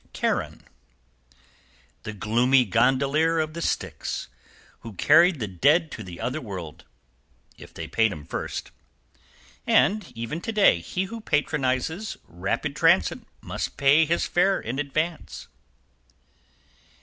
=CHARON. The gloomy gondolier of the Styx, who carried the dead to the Other World if they paid him first. =And even to day, he who patronizes Rapid Transit must pay his fare in advance.